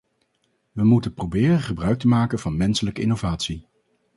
We moeten proberen gebruik te maken van menselijke innovatie.